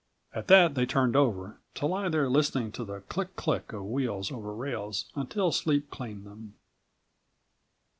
At that they turned over, to lie there listening to the click click of wheels over rails until sleep claimed them.